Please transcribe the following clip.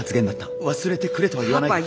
忘れてくれとは言わないが。